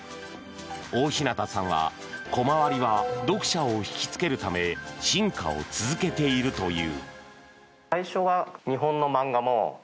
おおひなたさんは、コマ割りは読者を引きつけるため進化を続けているという。